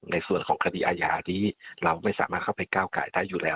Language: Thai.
ในส่วนของคดีอาญานี้เราไม่สามารถเข้าไปก้าวไก่ได้อยู่แล้ว